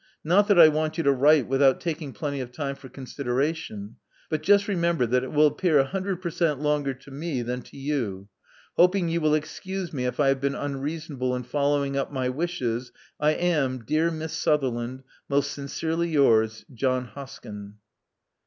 Not that I want you to write without taking plenty of time for consideration; but just remember that it wiU appear cent, per cent, longer to me than to yotu Hoping you will excuse me if I have been unreason able in following up my wishes, I am, dear Miss Sutherland, Most sincerely yours, John Hoskyn.